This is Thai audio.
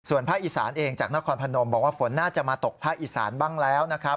ภาคอีสานเองจากนครพนมบอกว่าฝนน่าจะมาตกภาคอีสานบ้างแล้วนะครับ